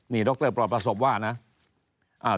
นี่ดรปลอดประสบว่านะ